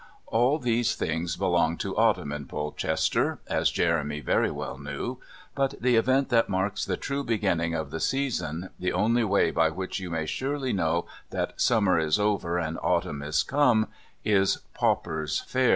All these things belong to autumn in Polchester, as Jeremy very well knew, but the event that marks the true beginning of the season, the only way by which you may surely know that summer is over and autumn is come is Pauper's Fair.